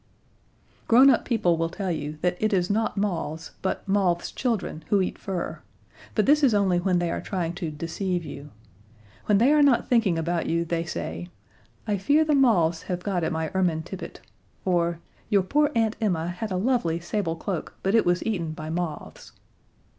Grown up people will tell you that it is not moths but moths' children who eat fur but this is only when they are trying to deceive you. When they are not thinking about you they say, "I fear the moths have got at my ermine tippet," or, "Your poor Aunt Emma had a lovely sable cloak, but it was eaten by moths."